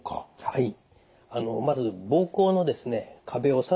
はい。